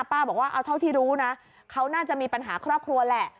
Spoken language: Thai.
บอกว่าเอาเท่าที่รู้นะเขาน่าจะมีปัญหาครอบครัวแหละ